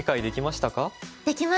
できました。